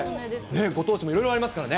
ご当地もいろいろありますからね。